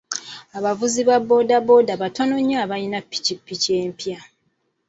Abavuzi ba booda booda batono nnyo abalina ppikipiki empya.